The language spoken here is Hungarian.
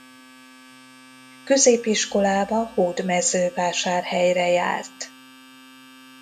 Középiskolába Hódmezővásárhelyre járt.